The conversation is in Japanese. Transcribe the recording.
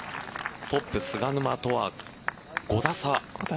トップ・菅沼とは５打差。